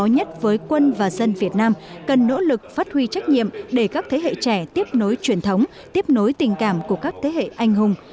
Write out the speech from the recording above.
chủ tịch việt nam cần nỗ lực phát huy trách nhiệm để các thế hệ trẻ tiếp nối truyền thống tiếp nối tình cảm của các thế hệ anh hùng